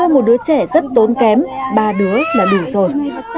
một đứa trẻ rất tốn kém ba đứa là đủ rồi